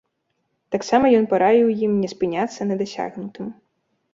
Таксама ён параіў ім не спыняцца на дасягнутым.